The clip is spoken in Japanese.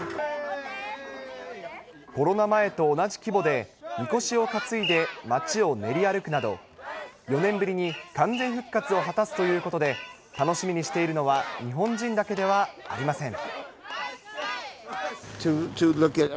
コロナ前と同じ規模で、みこしを担いで街を練り歩くなど、４年ぶりに完全復活を果たすということで、楽しみにしているのは、日本人だけではありません。